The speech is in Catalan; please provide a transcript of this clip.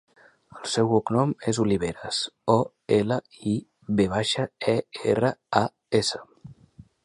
El seu cognom és Oliveras: o, ela, i, ve baixa, e, erra, a, essa.